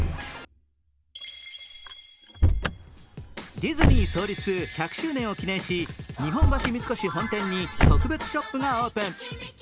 ディズニー創立１００周年を記念し日本橋三越本店に特別ショップがオープン。